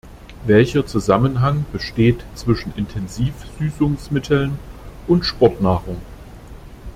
Welcher Zusammenhang besteht zwischen Intensivsüßungsmitteln und Sportnahrung?